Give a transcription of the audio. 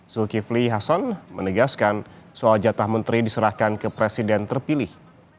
zulkifli hasan menegaskan soal jatah menteri diserahkan ke presiden terpilih